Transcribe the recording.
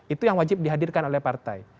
itu yang wajib dihadirkan oleh partai